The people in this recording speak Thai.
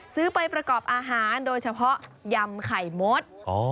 ซื้อไปประกอบอาหารโดยเฉพาะยำไข่มด